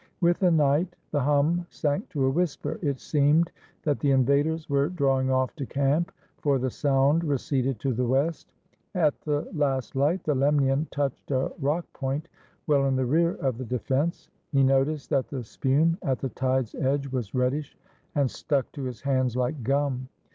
With the night the hum sank to a whisper ; it seemed that the invaders were drawing off to camp, for the sound receded to the west. At the last light the Lemnian touched a rock point well in the rear of the defense. He noticed that the spume at the tide's edge was reddish and stuck to his hands like gum.